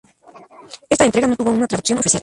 Esta entrega no tuvo una traducción oficial.